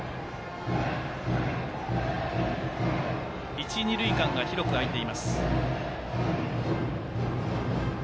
一、二塁間が広く開いています。